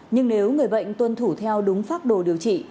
nhưng nếu người bệnh tuân thủ theo đúng phác đồ điều trị